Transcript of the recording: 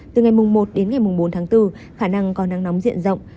từ ngày mùng một đến ngày mùng bốn tháng bốn khả năng có nắng nóng diện rộng